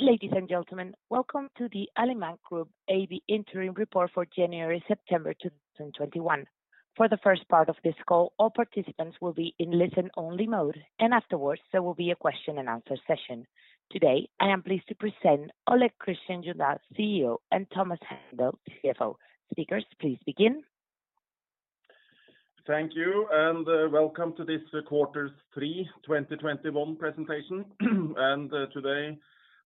Ladies and gentlemen, welcome to the Alimak Group AB Interim Report for January-September 2021. For the first part of this call, all participants will be in listen-only mode, and afterwards, there will be a question and answer session. Today, I am pleased to present Ole Kristian Jødahl, CEO, and Thomas Hendel, CFO. Speakers, please begin. Thank you, welcome to this quarter three 2021 presentation. Today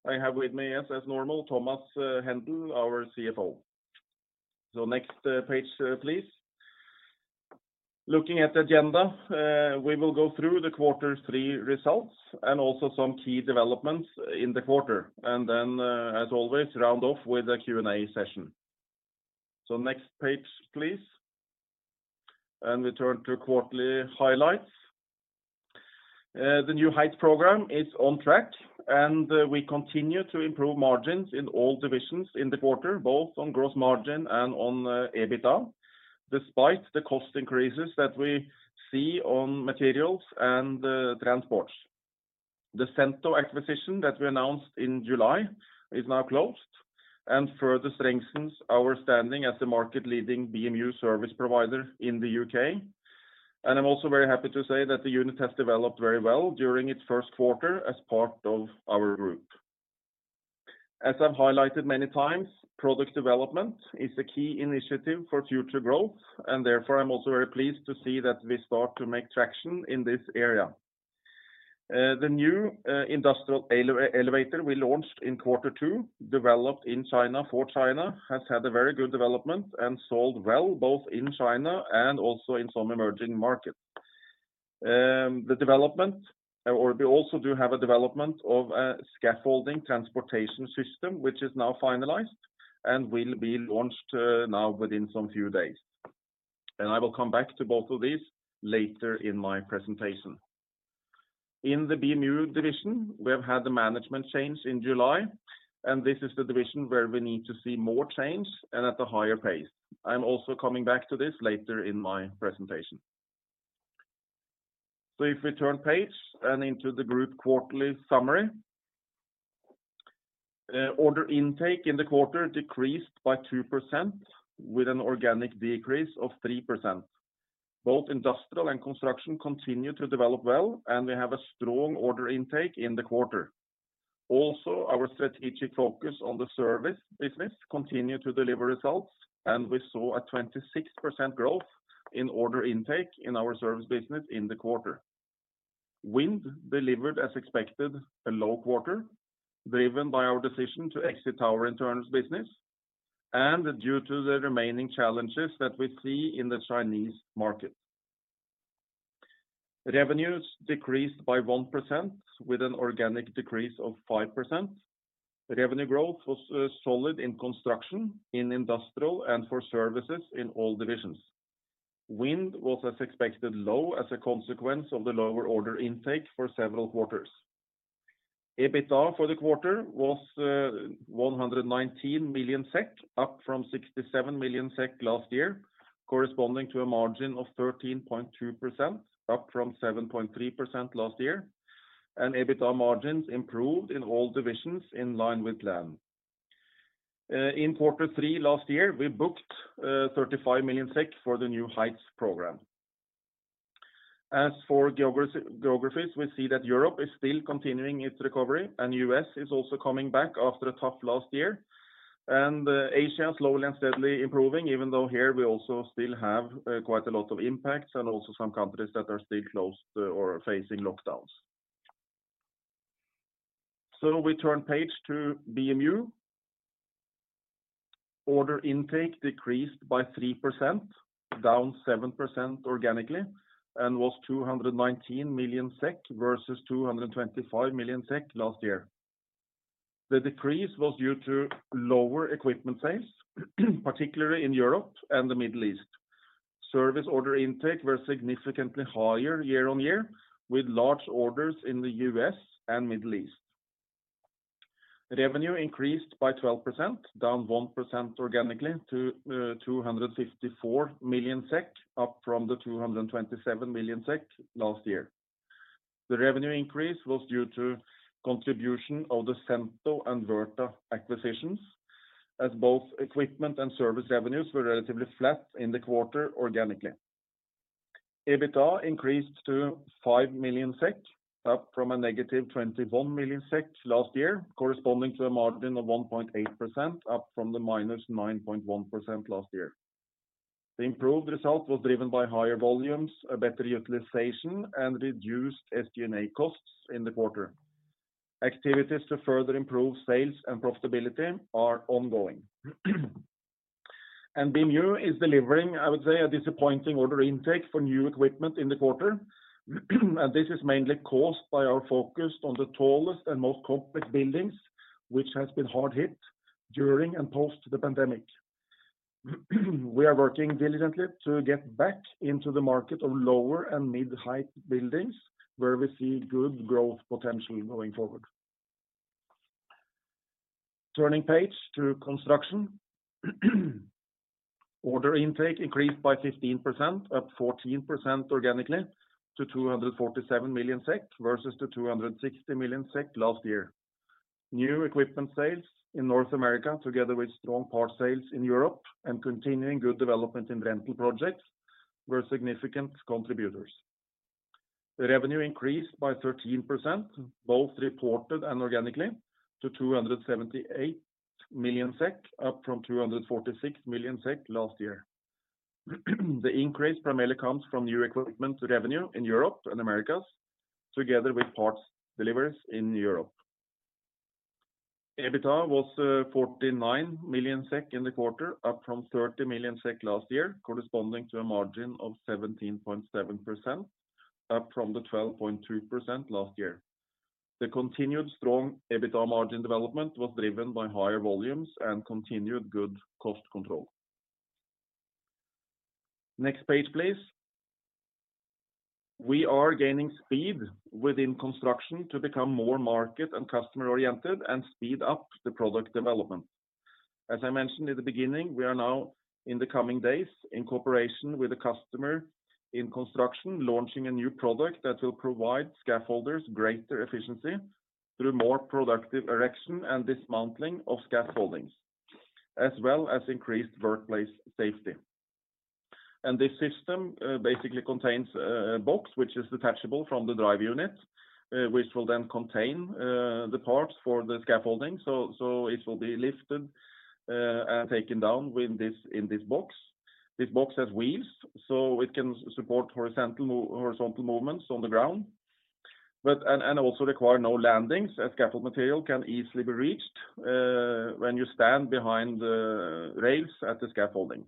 I have with me, as normal, Thomas Hendel, our CFO. Next page, please. Looking at the agenda, we will go through the quarter three results and also some key developments in the quarter, then, as always, round off with a Q&A session. Next page, please. We turn to quarterly highlights. The New Heights program is on track, and we continue to improve margins in all divisions in the quarter, both on gross margin and on EBITDA, despite the cost increases that we see on materials and transports. The Centaur Services acquisition that we announced in July is now closed and further strengthens our standing as the market-leading BMU service provider in the U.K. I'm also very happy to say that the unit has developed very well during its first quarter as part of our group. As I've highlighted many times, product development is a key initiative for future growth, and therefore, I'm also very pleased to see that we start to make traction in this area. The new industrial elevator we launched in quarter two, developed in China for China, has had a very good development and sold well both in China and also in some emerging markets. We also do have a development of a scaffolding transportation system, which is now finalized and will be launched now within some few days. I will come back to both of these later in my presentation. In the BMU division, we have had the management change in July. This is the division where we need to see more change and at a higher pace. I'm also coming back to this later in my presentation. If we turn page and into the group quarterly summary. Order intake in the quarter decreased by 2% with an organic decrease of 3%. Both industrial and construction continue to develop well. We have a strong order intake in the quarter. Also, our strategic focus on the service business continued to deliver results. We saw a 26% growth in order intake in our service business in the quarter. Wind delivered as expected, a low quarter driven by our decision to exit our internal business and due to the remaining challenges that we see in the Chinese market. Revenues decreased by 1% with an organic decrease of 5%. Revenue growth was solid in construction, in industrial, and for services in all divisions. Wind was as expected low as a consequence of the lower order intake for several quarters. EBITDA for the quarter was 119 million SEK, up from 67 million SEK last year, corresponding to a margin of 13.2%, up from 7.3% last year, and EBITDA margins improved in all divisions in line with plan. In quarter three last year, we booked 35 million SEK for the New Heights program. As for geographies, we see that Europe is still continuing its recovery and U.S. is also coming back after a tough last year, and Asia slowly and steadily improving even though here we also still have quite a lot of impacts and also some countries that are still closed or facing lockdowns. We turn page to BMU. Order intake decreased by 3%, down 7% organically, and was 219 million SEK versus 225 million SEK last year. The decrease was due to lower equipment sales, particularly in Europe and the Middle East. Service order intake were significantly higher year-over-year, with large orders in the U.S. and Middle East. Revenue increased by 12%, down 1% organically to 254 million SEK, up from the 227 million SEK last year. The revenue increase was due to contribution of the Centaur Services and Vertic acquisitions as both equipment and service revenues were relatively flat in the quarter organically. EBITDA increased to 5 million SEK, up from a negative 21 million SEK last year, corresponding to a margin of 1.8%, up from the minus 9.1% last year. The improved result was driven by higher volumes, a better utilization, and reduced SG&A costs in the quarter. Activities to further improve sales and profitability are ongoing. BMU is delivering, I would say, a disappointing order intake for new equipment in the quarter, and this is mainly caused by our focus on the tallest and most complex buildings, which has been hard hit during and post the pandemic. We are working diligently to get back into the market of lower and mid-height buildings where we see good growth potential going forward. Turning page to construction. Order intake increased by 15%, up 14% organically to 247 million, versus the 260 million SEK last year. New equipment sales in North America, together with strong parts sales in Europe and continuing good development in rental projects, were significant contributors. The revenue increased by 13%, both reported and organically, to 278 million SEK, up from 246 million SEK last year. The increase primarily comes from new equipment revenue in Europe and Americas, together with parts deliveries in Europe. EBITDA was 49 million SEK in the quarter, up from 30 million SEK last year, corresponding to a margin of 17.7%, up from the 12.2% last year. The continued strong EBITDA margin development was driven by higher volumes and continued good cost control. Next page, please. We are gaining speed within construction to become more market and customer-oriented and speed up the product development. As I mentioned in the beginning, we are now, in the coming days, in cooperation with the customer in construction, launching a new product that will provide scaffolders greater efficiency through more productive erection and dismounting of scaffoldings, as well as increased workplace safety. This system basically contains a box which is detachable from the drive unit, which will then contain the parts for the scaffolding. It will be lifted and taken down in this box. This box has wheels, so it can support horizontal movements on the ground, and also require no landings as scaffold material can easily be reached when you stand behind the rails at the scaffolding.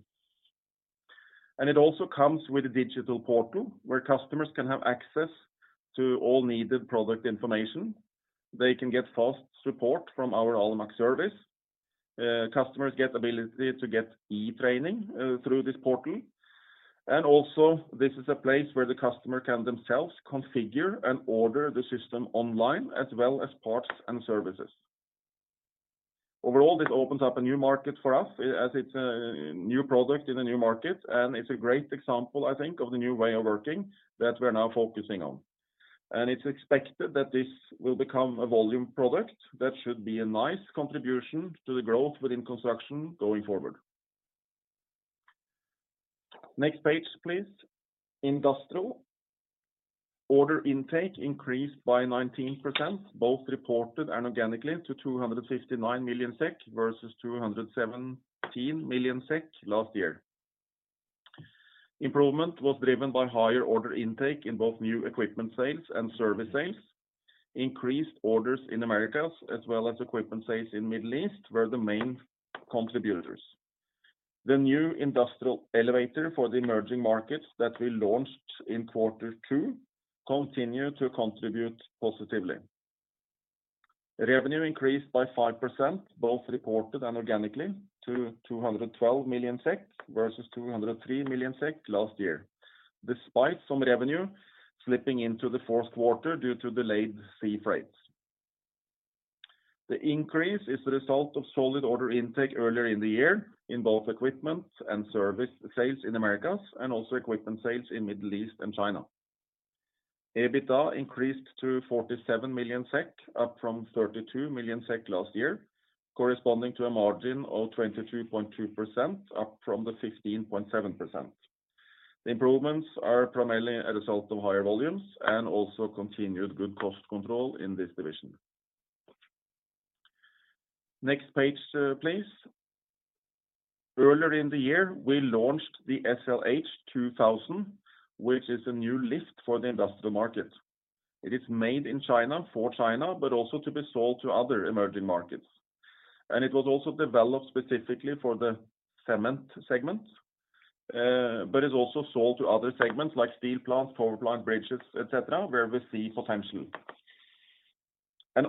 It also comes with a digital portal where customers can have access to all needed product information. They can get fast support from our Alimak Service. Customers get ability to get e-training through this portal. Also, this is a place where the customer can themselves configure and order the system online, as well as parts and services. Overall, this opens up a new market for us as it's a new product in a new market, and it's a great example, I think, of the new way of working that we're now focusing on. It's expected that this will become a volume product that should be a nice contribution to the growth within construction going forward. Next page, please. Industrial. Order intake increased by 19%, both reported and organically, to 259 million SEK versus 217 million SEK last year. Improvement was driven by higher order intake in both new equipment sales and service sales. Increased orders in Americas as well as equipment sales in Middle East were the main contributors. The new industrial elevator for the emerging markets that we launched in quarter two continue to contribute positively. Revenue increased by 5%, both reported and organically, to 212 million SEK versus 203 million SEK last year, despite some revenue slipping into the fourth quarter due to delayed sea freights. The increase is the result of solid order intake earlier in the year in both equipment and service sales in Americas and also equipment sales in Middle East and China. EBITDA increased to 47 million SEK, up from 32 million SEK last year, corresponding to a margin of 23.2%, up from the 15.7%. The improvements are primarily a result of higher volumes and also continued good cost control in this division. Next page, please. Earlier in the year, we launched the SL-H 2000, which is a new lift for the industrial market. It is made in China for China, but also to be sold to other emerging markets. It was also developed specifically for the cement segment, but is also sold to other segments like steel plants, power plants, bridges, et cetera, where we see potential.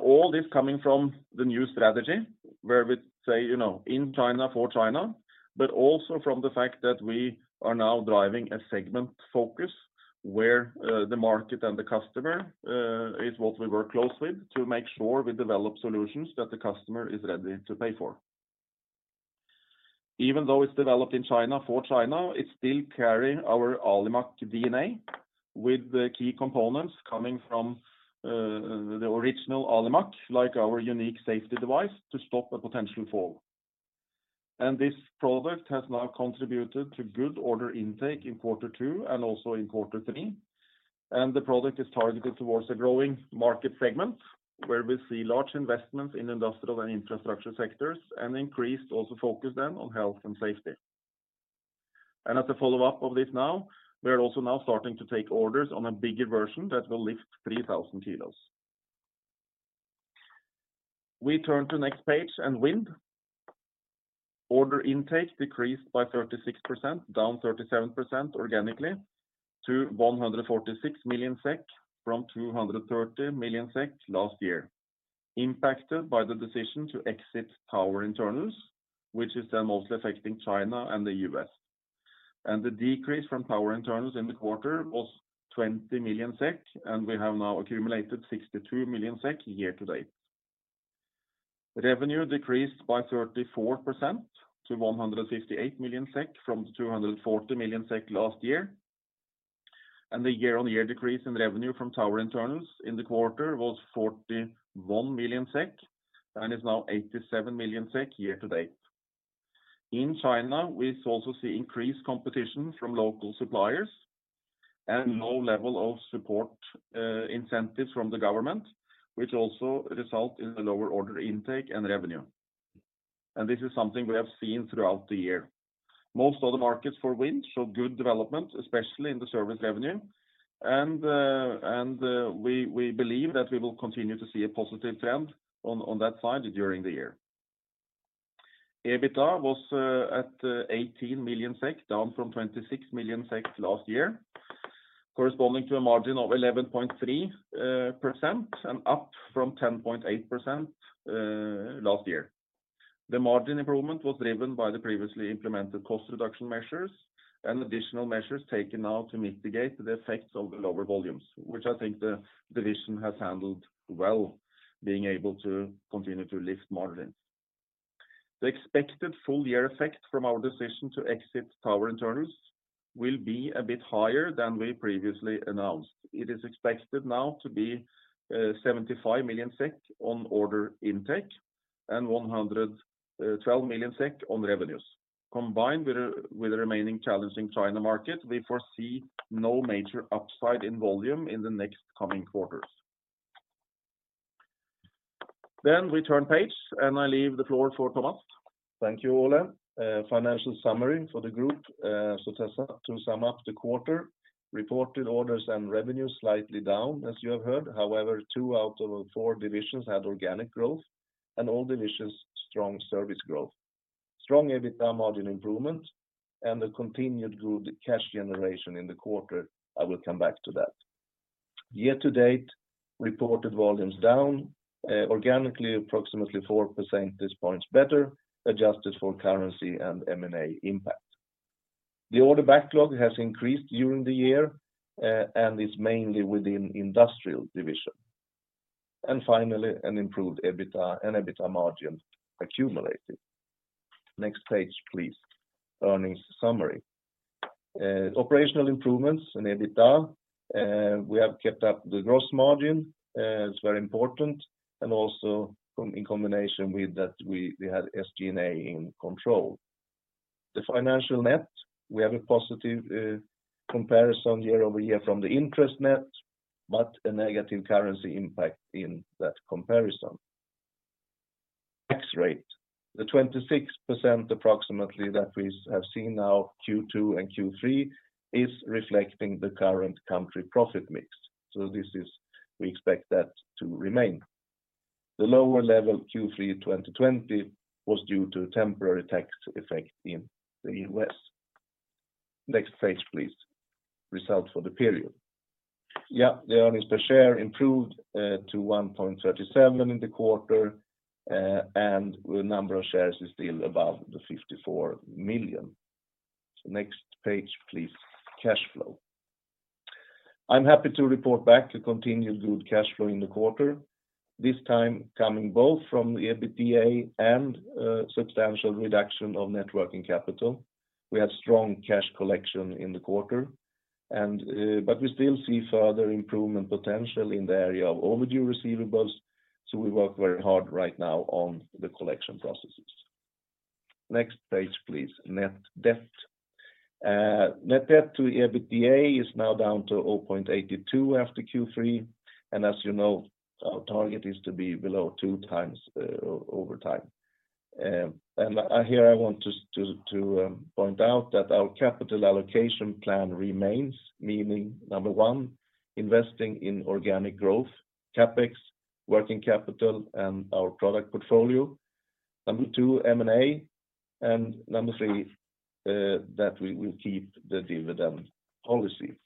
All this coming from the new strategy where we say, in China for China, but also from the fact that we are now driving a segment focus where the market and the customer is what we work closely to make sure we develop solutions that the customer is ready to pay for. Even though it's developed in China for China, it's still carrying our Alimak DNA with the key components coming from the original Alimak, like our unique safety device to stop a potential fall. This product has now contributed to good order intake in quarter two and also in quarter three, and the product is targeted towards a growing market segment where we see large investments in industrial and infrastructure sectors and increased also focus then on health and safety. As a follow-up of this now, we are also now starting to take orders on a bigger version that will lift 3,000 kilos. We turn to next page and wind. Order intake decreased by 36%, down 37% organically, to 146 million SEK from 230 million SEK last year, impacted by the decision to exit tower internals, which is then mostly affecting China and the U.S. The decrease from tower internals in the quarter was 20 million SEK, and we have now accumulated 62 million SEK year to date. Revenue decreased by 34% to 158 million SEK from 240 million SEK last year. The year-on-year decrease in revenue from tower internals in the quarter was 41 million SEK and is now 87 million SEK year to date. In China, we also see increased competition from local suppliers and low level of support incentives from the government, which also result in the lower order intake and revenue. This is something we have seen throughout the year. Most of the markets for wind show good development, especially in the service revenue. We believe that we will continue to see a positive trend on that side during the year. EBITDA was at 18 million SEK, down from 26 million SEK last year, corresponding to a margin of 11.3% and up from 10.8% last year. The margin improvement was driven by the previously implemented cost reduction measures and additional measures taken now to mitigate the effects of the lower volumes, which I think the division has handled well, being able to continue to lift margins. The expected full year effect from our decision to exit tower internals will be a bit higher than we previously announced. It is expected now to be 75 million SEK on order intake and 112 million SEK on revenues. Combined with the remaining challenging China market, we foresee no major upside in volume in the next coming quarters. We turn page, and I leave the floor for Thomas. Thank you, Ole. Financial summary for the group. To sum up the quarter, reported orders and revenues slightly down, as you have heard. However, two out of four divisions had organic growth and all divisions strong service growth. Strong EBITDA margin improvement and a continued good cash generation in the quarter. I will come back to that. Year to date, reported volumes down organically approximately 4% this point better, adjusted for currency and M&A impact. The order backlog has increased during the year and is mainly within industrial division. Finally, an improved EBITDA and EBITDA margin accumulated. Next page, please. Earnings summary. Operational improvements in EBITDA. We have kept up the gross margin, it's very important, and also in combination with that, we had SG&A in control. The financial net, we have a positive comparison year-over-year from the interest net, but a negative currency impact in that comparison. Tax rate, the 26% approximately that we have seen now, Q2 and Q3, is reflecting the current country profit mix. We expect that to remain. The lower level Q3 2020 was due to temporary tax effect in the U.S. Next page, please. Results for the period. Yeah, the earnings per share improved to 1.37 in the quarter, and the number of shares is still above the 54 million. Next page, please. Cash flow. I'm happy to report back a continued good cash flow in the quarter, this time coming both from the EBITDA and substantial reduction of net working capital. We had strong cash collection in the quarter, but we still see further improvement potential in the area of overdue receivables, so we work very hard right now on the collection processes. Next page, please. Net debt. Net debt to EBITDA is now down to 0.82 after Q3, and as you know, our target is to be below 2x over time. Here I want to point out that our capital allocation plan remains, meaning, number one, investing in organic growth, CapEx, working capital, and our product portfolio. Number two, M&A. Number three, that we will keep the dividend policy.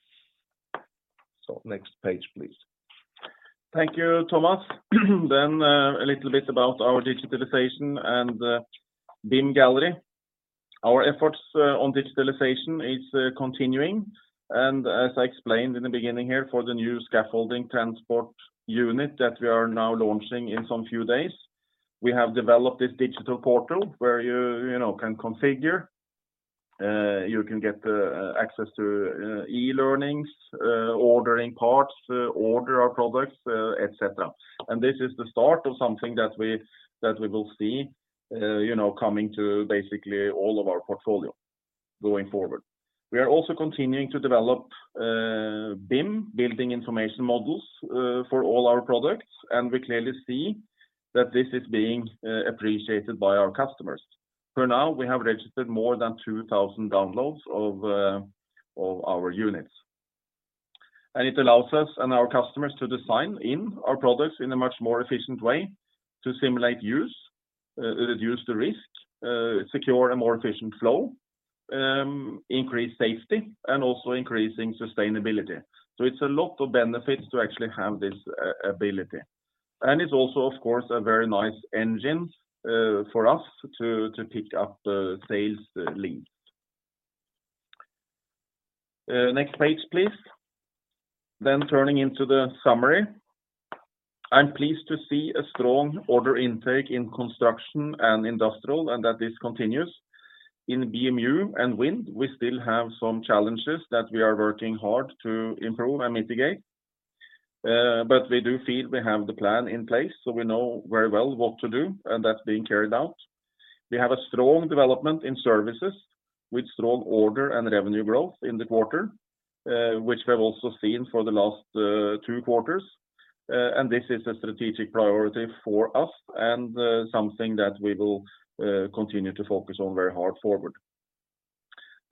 Next page, please. Thank you, Thomas. A little bit about our digitalization and BIM Gallery. Our efforts on digitalization is continuing, and as I explained in the beginning here, for the new scaffolding transport unit that we are now launching in some few days, we have developed this digital portal where you can configure, you can get access to e-learnings, ordering parts, order our products, et cetera. This is the start of something that we will see coming to basically all of our portfolio going forward. We are also continuing to develop BIM, building information models, for all our products, and we clearly see that this is being appreciated by our customers. For now, we have registered more than 2,000 downloads of our units. It allows us and our customers to design in our products in a much more efficient way to simulate use, reduce the risk, secure a more efficient flow, increase safety, and also increasing sustainability. It's a lot of benefits to actually have this ability. It's also, of course, a very nice engine for us to pick up the sales leads. Next page, please. Turning into the summary. I'm pleased to see a strong order intake in construction and industrial, and that this continues. In BMU and wind, we still have some challenges that we are working hard to improve and mitigate. We do feel we have the plan in place, so we know very well what to do, and that's being carried out. We have a strong development in services with strong order and revenue growth in the quarter, which we've also seen for the last two quarters. This is a strategic priority for us and something that we will continue to focus on very hard forward.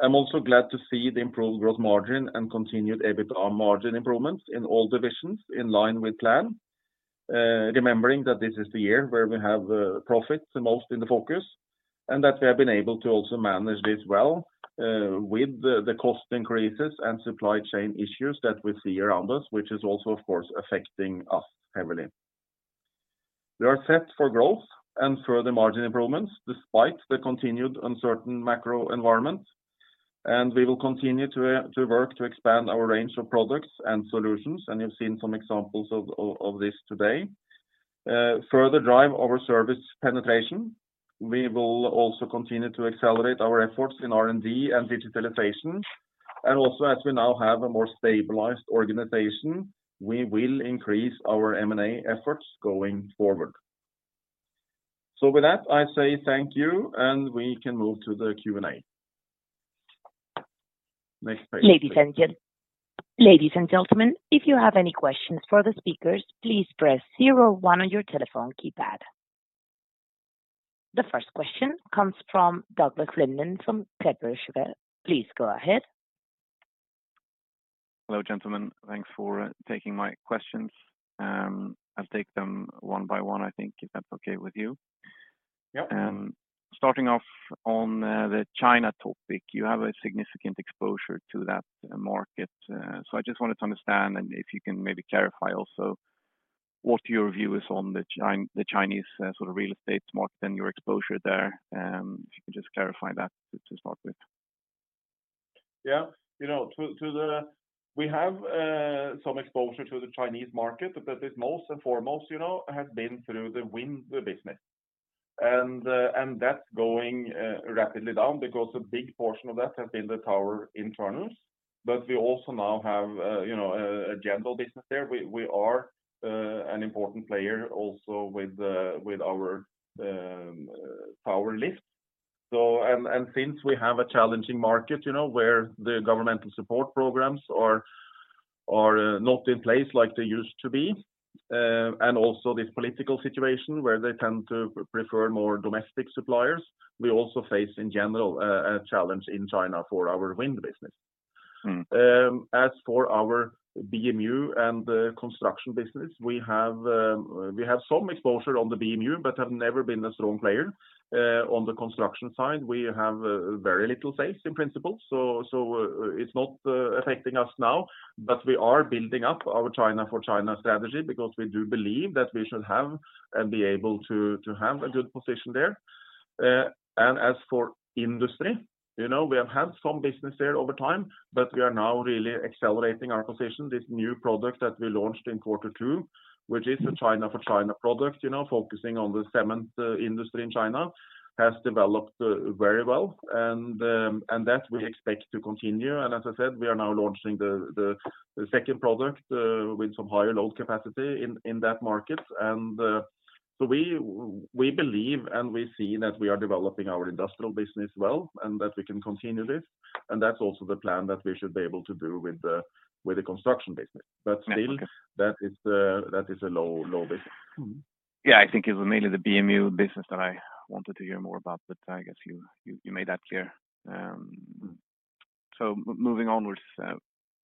I'm also glad to see the improved gross margin and continued EBITDA margin improvements in all divisions in line with plan, remembering that this is the year where we have profits most in the focus, and that we have been able to also manage this well with the cost increases and supply chain issues that we see around us, which is also, of course, affecting us heavily. We are set for growth and further margin improvements despite the continued uncertain macro environment. We will continue to work to expand our range of products and solutions. You've seen some examples of this today. Further drive our service penetration. We will also continue to accelerate our efforts in R&D and digitalization. Also as we now have a more stabilized organization, we will increase our M&A efforts going forward. With that, I say thank you, and we can move to the Q&A. Next page, please. Ladies and gentlemen, if you have any questions for the speakers, please press zero one on your telephone keypad. The first question comes from Douglas Lindahl from Kepler Cheuvreux. Please go ahead. Hello, gentlemen. Thanks for taking my questions. I'll take them one by one, I think, if that's okay with you. Yep. Starting off on the China topic, you have a significant exposure to that market. I just wanted to understand and if you can maybe clarify also what your view is on the Chinese real estate market and your exposure there. If you could just clarify that to start with. We have some exposure to the Chinese market, but that is most and foremost, has been through the wind business. That's going rapidly down because a big portion of that has been the tower internals, but we also now have a general business there. We are an important player also with our Power Lift. Since we have a challenging market, where the governmental support programs are not in place like they used to be, and also this political situation where they tend to prefer more domestic suppliers, we also face, in general, a challenge in China for our wind business. As for our BMU and construction business, we have some exposure on the BMU, but have never been a strong player. On the construction side, we have very little sales in principle, so it's not affecting us now. We are building up our China-for-China strategy because we do believe that we should have and be able to have a good position there. As for industry, we have had some business there over time, but we are now really accelerating our position. This new product that we launched in quarter two, which is a China-for-China product, focusing on the cement industry in China, has developed very well, and that we expect to continue. As I said, we are now launching the second product with some higher load capacity in that market. We believe, and we see that we are developing our industrial business well, and that we can continue this. That's also the plan that we should be able to do with the construction business. Still, that is a low business. Yeah, I think it was mainly the BMU business that I wanted to hear more about, but I guess you made that clear. Moving onwards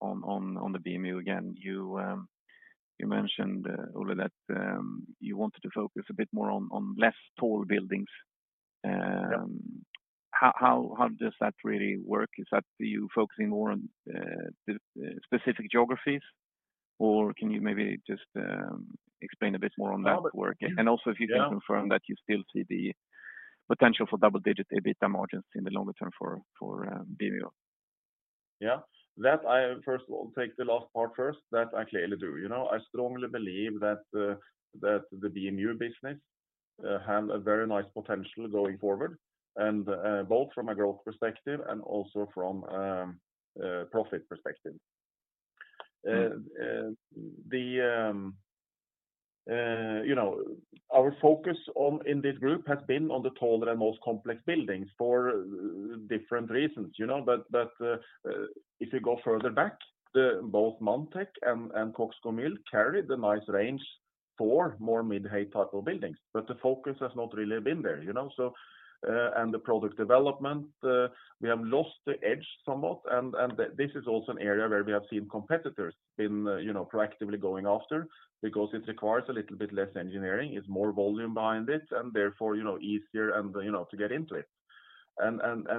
on the BMU again, you mentioned, Ole, that you wanted to focus a bit more on less tall buildings. Yep. How does that really work? Is that you focusing more on specific geographies? Can you maybe just explain a bit more on that work? Also if you can confirm that you still see the potential for double-digit EBITDA margins in the longer term for BMU. First of all, take the last part first. That I clearly do. I strongly believe that the BMU business have a very nice potential going forward, both from a growth perspective and also from a profit perspective. Our focus in this group has been on the taller and most complex buildings for different reasons. If you go further back, both Manntech and CoxGomyl carried a nice range for more mid-height type of buildings, but the focus has not really been there. The product development, we have lost the edge somewhat, and this is also an area where we have seen competitors been proactively going after because it requires a little bit less engineering. It's more volume behind it, and therefore, easier to get into it.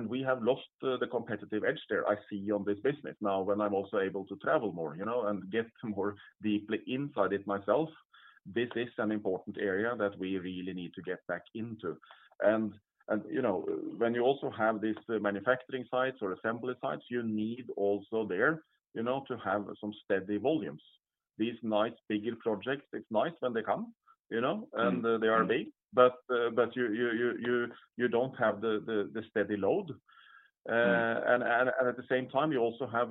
We have lost the competitive edge there I see on this business now when I'm also able to travel more and get more deeply inside it myself. This is an important area that we really need to get back into. When you also have these manufacturing sites or assembly sites, you need also there to have some steady volumes. These nice bigger projects, it's nice when they come, and they are big. You don't have the steady load. At the same time, you also have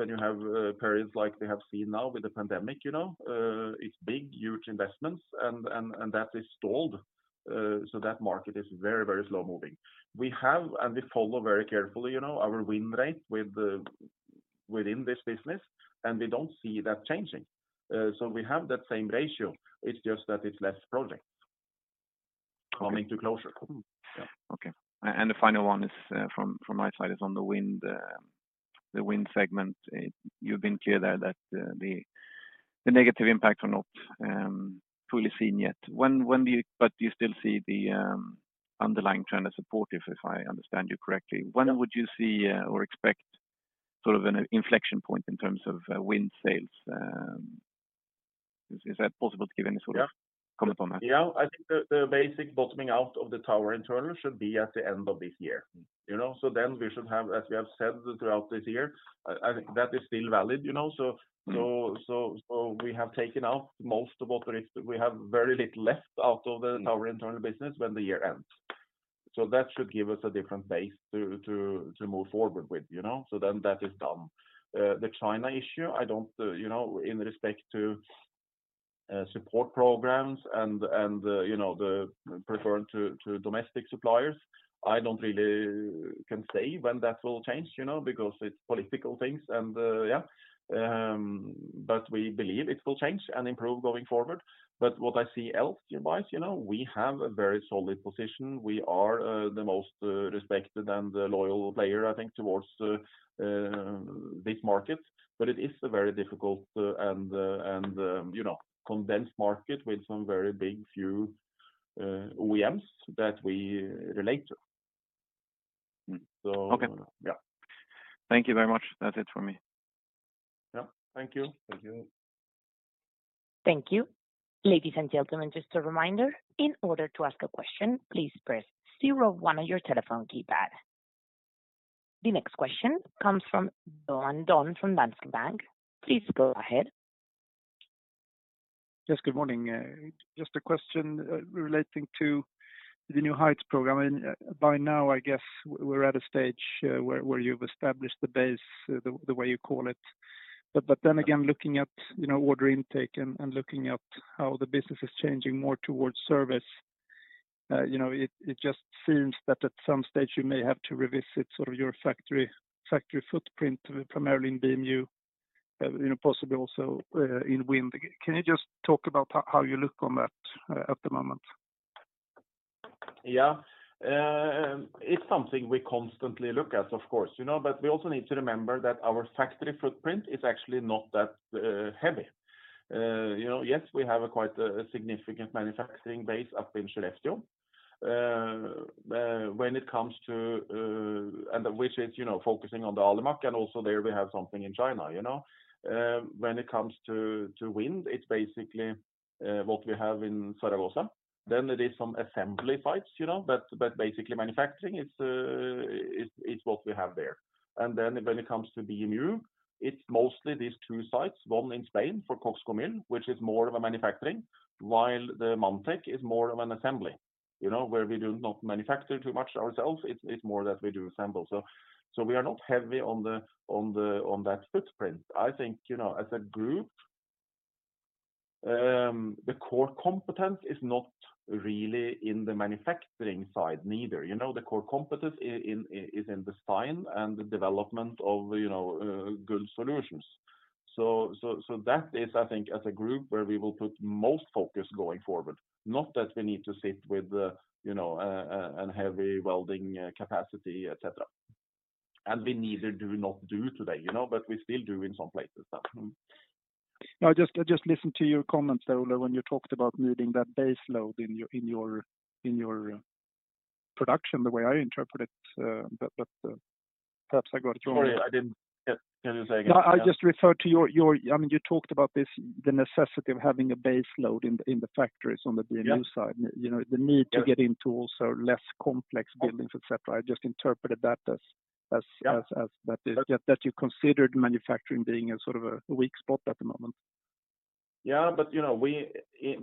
periods like we have seen now with the pandemic. It's big, huge investments and that is stalled. That market is very slow moving. We follow very carefully our win rate within this business, and we don't see that changing. We have that same ratio, it's just that it's less projects coming to closure. Okay. The final one from my side is on the wind segment. You've been clear there that the negative impacts are not fully seen yet. You still see the underlying trend as supportive if I understand you correctly. Yeah. When would you see or expect an inflection point in terms of wind sales? Is that possible to give any sort of comment on that? Yeah, I think the basic bottoming out of the tower internals should be at the end of this year. We should have, as we have said throughout this year, that is still valid. We have taken out most of what we have very little left out of the tower internals business when the year ends. That should give us a different base to move forward with. That is done. The China issue, in respect to support programs and preferring to domestic suppliers, I don't really can say when that will change, because it's political things. We believe it will change and improve going forward. What I see else, we have a very solid position. We are the most respected and loyal player, I think, towards this market. It is a very difficult and condensed market with some very big few OEMs that we relate to. Okay. Yeah. Thank you very much. That's it from me. Yeah. Thank you. Thank you. Ladies and gentlemen, just a reminder, in order to ask a question, please press zero one on your telephone keypad. The next question comes from Johan Dahl from Danske Bank. Please go ahead. Yes, good morning. Just a question relating to the New Heights program. By now, I guess we're at a stage where you've established the base, the way you call it. Again, looking at order intake and looking at how the business is changing more towards service, it just seems that at some stage you may have to revisit your factory footprint, primarily in BMU, possibly also in wind. Can you just talk about how you look on that at the moment? Yeah. It's something we constantly look at, of course. We also need to remember that our factory footprint is actually not that heavy. Yes, we have quite a significant manufacturing base up in Skelleftea. Which is focusing on the Alimak, and also there we have something in China. When it comes to wind, it's basically what we have in Zaragoza. There is some assembly sites, basically manufacturing, it's what we have there. When it comes to BMU, it's mostly these two sites, one in Spain for CoxGomyl, which is more of a manufacturing, while the Manntech is more of an assembly. Where we do not manufacture too much ourselves, it's more that we do assemble. We are not heavy on that footprint. I think, as a group, the core competence is not really in the manufacturing side neither. The core competence is in design and the development of good solutions. That is, I think, as a group where we will put most focus going forward, not that we need to sit with a heavy welding capacity, et cetera. We neither do not do today, but we still do in some places now. No, I just listened to your comments, Ole, when you talked about needing that base load in your production, the way I interpret it, but perhaps I got it wrong. Sorry, I didn't get. Can you say again? No, I just referred to your, you talked about the necessity of having a base load in the factories on the BMU side. Yeah. The need to get into also less complex buildings, et cetera. I just interpreted that. Yeah that you considered manufacturing being a sort of a weak spot at the moment.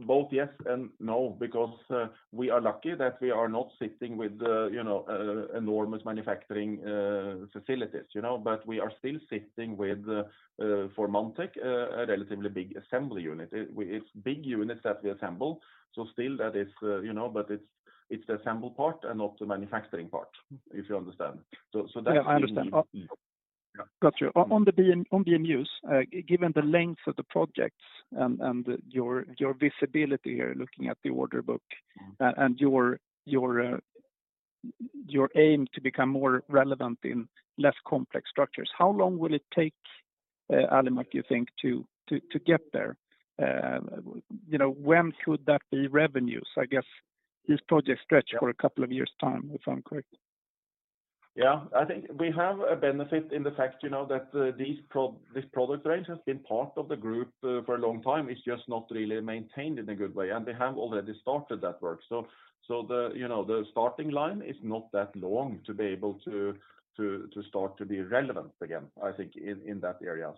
Both yes and no, because we are lucky that we are not sitting with enormous manufacturing facilities. We are still sitting with, for Manntech, a relatively big assembly unit. It's big units that we assemble. It's the assemble part and not the manufacturing part, if you understand. Yeah, I understand. Got you. On BMUs, given the length of the projects and your visibility here looking at the order book and your aim to become more relevant in less complex structures, how long will it take Alimak, you think to get there, when should that be revenues? I guess this project stretch for a couple of years' time, if I'm correct? Yeah, I think we have a benefit in the fact that this product range has been part of the group for a long time. It's just not really maintained in a good way, and they have already started that work. The starting line is not that long to be able to start to be relevant again, I think, in that area.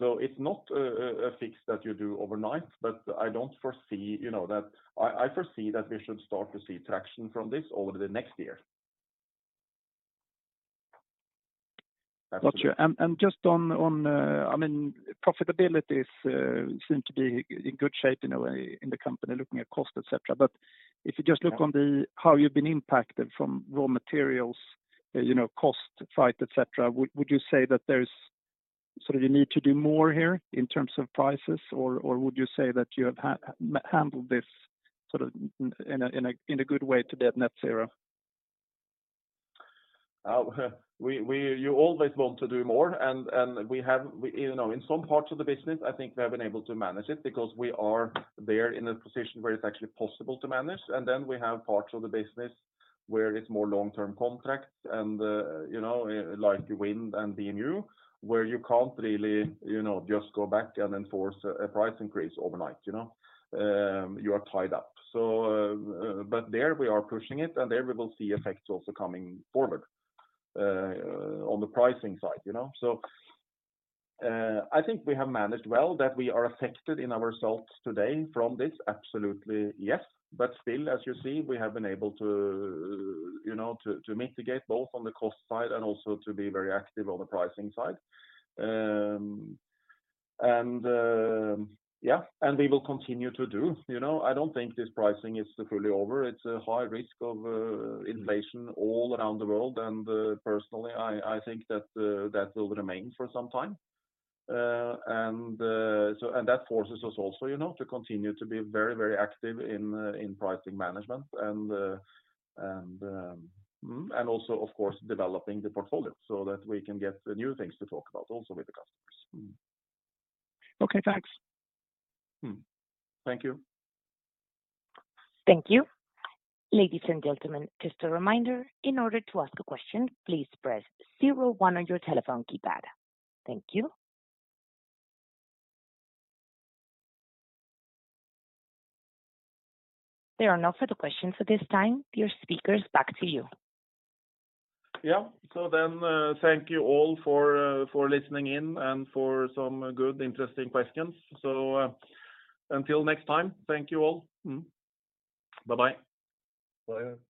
It's not a fix that you do overnight, but I foresee that we should start to see traction from this over the next year. Got you. Just on profitabilities seem to be in good shape in a way in the company, looking at cost, et cetera. If you just look on how you've been impacted from raw materials, cost freight, et cetera, would you say that there's sort of you need to do more here in terms of prices? Or would you say that you have handled this in a good way to get net zero? You always want to do more, in some parts of the business, I think we have been able to manage it because we are there in a position where it's actually possible to manage. Then we have parts of the business where it's more long-term contracts and like wind and BMU, where you can't really just go back and enforce a price increase overnight. You are tied up. There we are pushing it, and there we will see effects also coming forward on the pricing side. I think we have managed well that we are affected in our results today from this, absolutely yes. Still, as you see, we have been able to mitigate both on the cost side and also to be very active on the pricing side. We will continue to do. I don't think this pricing is fully over. It's a high risk of inflation all around the world, and personally, I think that will remain for some time. That forces us also to continue to be very active in pricing management and also, of course, developing the portfolio so that we can get new things to talk about also with the customers. Okay. Thanks. Thank you. Thank you. Ladies and gentlemen, just a reminder, in order to ask a question, please press zero one on your telephone keypad. Thank you. There are no further questions at this time. Dear speakers, back to you. Yeah. Thank you all for listening in and for some good, interesting questions. Until next time, thank you all. Bye-bye. Bye.